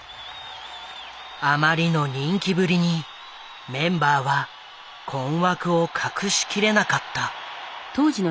あまりの人気ぶりにメンバーは困惑を隠し切れなかった。